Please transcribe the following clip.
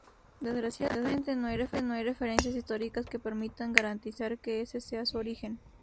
Desgraciadamente no hay referencias históricas que permitan garantizar que ese sea su origen.